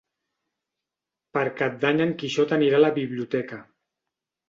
Per Cap d'Any en Quixot anirà a la biblioteca.